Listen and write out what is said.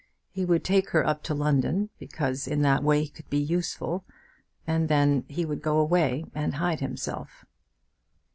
He would take her up to London, because in that way he could be useful; and then he would go away and hide himself.